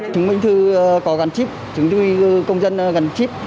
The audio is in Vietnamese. chứng minh thư có gắn chip chứng thư công dân gắn chip